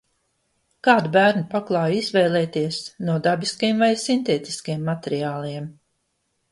Kādu bērnu paklāju izvēlēties – no dabiskiem vai sintētiskiem materiāliem?